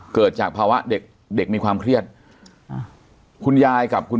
เกิดจากภาวะเด็กเด็กมีความเครียดอ่าคุณยายกับคุณ